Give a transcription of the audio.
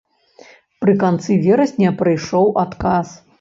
Пры канцы верасня прыйшоў адказ.